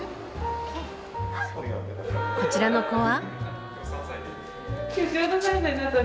こちらの子は？